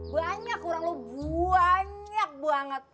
banyak kurang lebih banyak banget